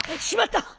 しまった。